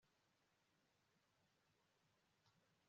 kuberako kuri we, uri hejuru cyane